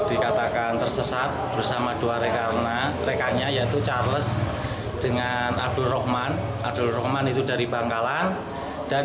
itu sudah ditemukan